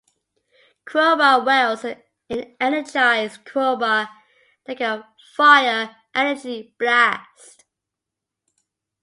Crowbar wields an energized crowbar that can fire energy blasts.